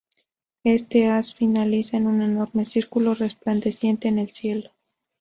Este haz finaliza en un enorme círculo resplandeciente en el cielo.